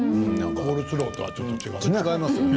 コールスローとは違いますね。